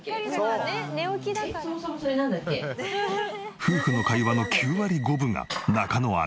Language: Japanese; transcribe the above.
夫婦の会話の９割５分が中野アナ。